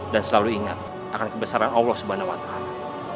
dan selalu ingat akan kebesaran allah subhanahu wa'ta'ala